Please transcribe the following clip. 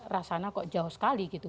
rasanya kok jauh sekali gitu